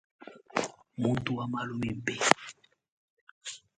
Muntu wa malu mimpe.